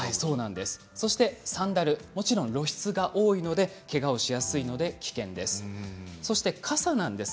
サンダル、露出が多いのでけがをしやすいので危険です。